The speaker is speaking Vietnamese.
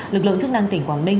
lực lượng chức năng tỉnh quảng ninh